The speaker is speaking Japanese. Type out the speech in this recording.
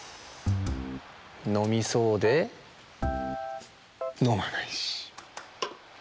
のみそうでのまないし。